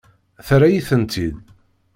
Terra-yi-tent-id.